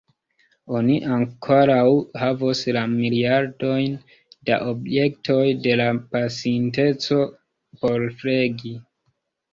Oni ankoraŭ havos la miliardojn da objektoj de la pasinteco por flegi.